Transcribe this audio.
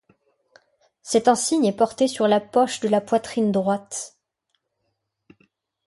Cet insigne est porté sur la poche de la poitrine droite.